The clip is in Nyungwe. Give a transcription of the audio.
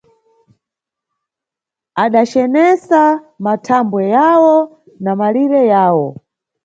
Adacenesa mathambwe yawo na malire yayo.